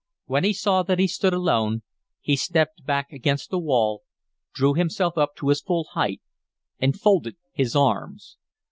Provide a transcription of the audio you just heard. When he saw that he stood alone, he stepped back against the wall, drew himself up to his full height, and folded his arms.